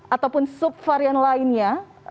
ataupun subvarian lainnya